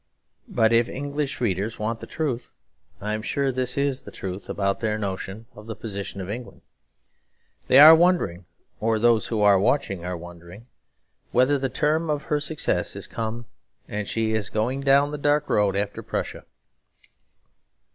But if English readers want the truth, I am sure this is the truth about their notion of the position of England. They are wondering, or those who are watching are wondering, whether the term of her success is come and she is going down the dark road after Prussia.